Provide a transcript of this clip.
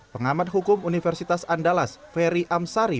pengamat hukum universitas andalas ferry amsari